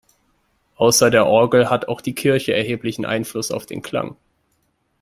Außer der Orgel hat auch die Kirche erheblichen Einfluss auf den Klang.